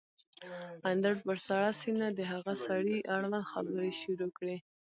اندړ په سړه سينه د هغه سړي اړوند خبرې شروع کړې